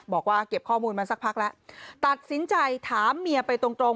บอกว่าเก็บข้อมูลมาสักพักแล้วตัดสินใจถามเมียไปตรงตรง